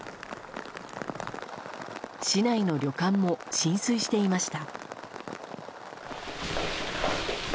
市内の旅館も浸水していました。